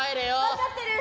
分かってる。